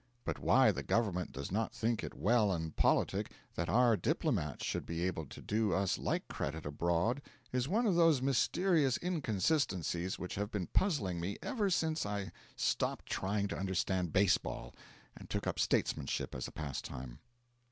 But why the Government does not think it well and politic that our diplomats should be able to do us like credit abroad is one of those mysterious inconsistencies which have been puzzling me ever since I stopped trying to understand baseball and took up statesmanship as a pastime.